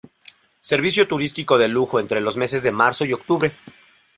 Servicio turístico de lujo entre los meses de marzo y octubre.